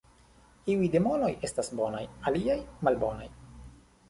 Iuj demonoj estas bonaj, aliaj malbonaj.